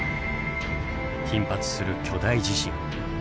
頻発する巨大地震。